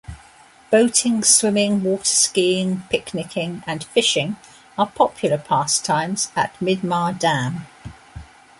Boating, swimming, waterskiing, picnicing, and fishing are popular pastimes at Midmar Dam.